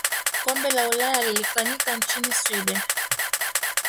kombe la ulaya lilifanyika nchini sweden